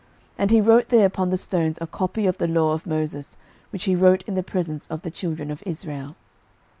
06:008:032 And he wrote there upon the stones a copy of the law of Moses, which he wrote in the presence of the children of Israel.